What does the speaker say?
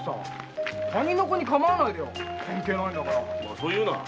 そう言うな。